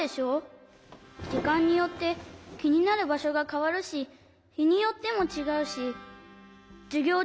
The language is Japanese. じかんによってきになるばしょがかわるしひによってもちがうしじゅぎょう